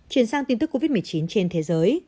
chuyển sang tin tức covid một mươi chín trên thế giới